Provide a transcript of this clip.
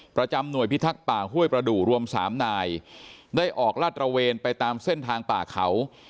ประจำหน่วยพิทักษ์ป่าห้วยประดูกรวมสามนายได้ออกลาดตระเวนไปตามเส้นทางป่าเขา